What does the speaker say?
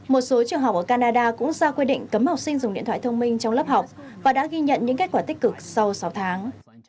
một số trường học ở canada cũng ra quy định cấm học sinh dùng điện thoại thông minh trong lớp học và đã ghi nhận những kết quả tích cực sau sáu tháng